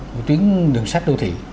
một tuyến đường sách đô thị